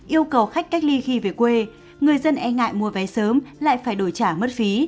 yêu cầu khách cách ly khi về quê người dân e ngại mua vé sớm lại phải đổi trả mất phí